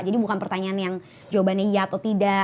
jadi bukan pertanyaan yang jawabannya ya atau tidak